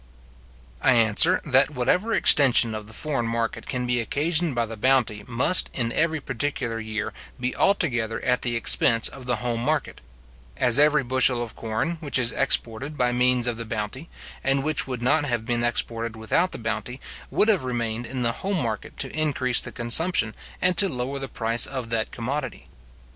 I answer, that whatever extension of the foreign market can be occasioned by the bounty must, in every particular year, be altogether at the expense of the home market; as every bushel of corn, which is exported by means of the bounty, and which would not have been exported without the bounty, would have remained in the home market to increase the consumption, and to lower the price of that commodity.